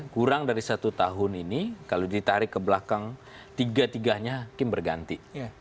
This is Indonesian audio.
kurang dari satu tahun ini kalau ditarik ke belakang tiga tiganya hakim berganti